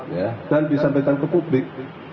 ya dan disampaikan ke publik